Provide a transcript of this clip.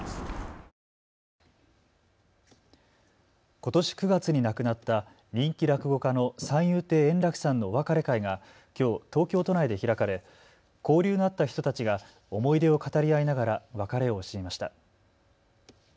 ことし９月に亡くなった人気落語家の三遊亭円楽さんのお別れ会がきょう東京都内で開かれ交流のあった人たちが思い出を語り合いながら別れを惜しみました。